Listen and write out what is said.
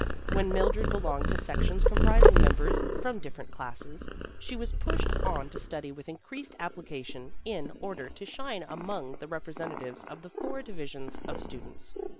When Mildred belonged to sections comprising members from different classes, she was pushed on to study with increased application in or der to shine among the representatives of the four divisions of students.